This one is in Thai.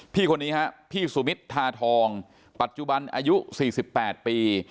พี่คนนี้ฮะพี่สุมิตรทาทองปัจจุบันอายุ๔๘ปี